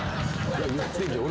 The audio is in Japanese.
言ってんじゃん。